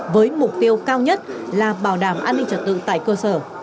với mục tiêu cao nhất là bảo đảm an ninh trật tự tại cơ sở